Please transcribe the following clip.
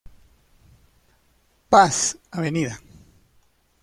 Paz, Av.